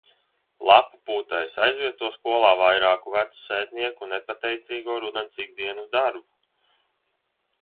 Lapu pūtējs aizvieto skolā vairāku vecu sētnieku nepateicīgo rudens ikdienas darbu.